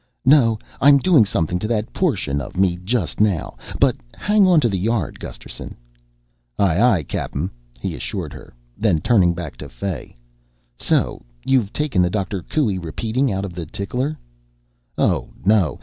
"No, I'm doing something to that portion of me just now. But hang onto the yard, Gusterson." "Aye aye, Cap'n," he assured her. Then, turning back to Fay, "So you've taken the Dr. Coué repeating out of the tickler?" "Oh, no.